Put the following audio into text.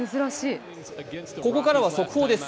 ここからは速報です。